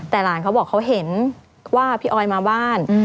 แต่หลานเขาบอกเขาเห็นว่าพี่ออยมาบ้าน